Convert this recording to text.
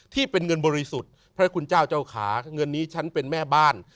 ที่เป็นเงินบริสุทธิ์พระคุณเจ้าเจ้าขาเงินนี้ฉันเป็นแม่บ้าน